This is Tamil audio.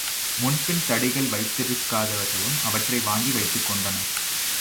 முன்பின் தடிகள் வைத்திருக்காதவர்களும் அவற்றை வாங்கி வைத்துக்கொண்டனர்.